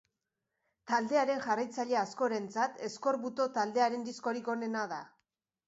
Taldearen jarraitzaile askorentzat, Eskorbuto taldearen diskorik onena da.